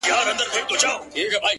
اوس په لمانځه کي دعا نه کوم ښېرا کومه ـ